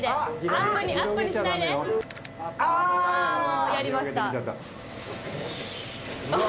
あもうやりました